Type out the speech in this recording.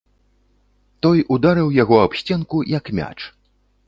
Той ударыў яго аб сценку, як мяч.